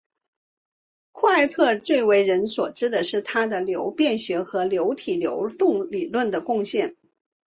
库埃特最为人所知的是他在流变学和流体流动理论的贡献。